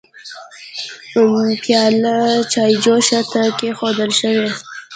پيالې چايجوشه ته کيښودل شوې.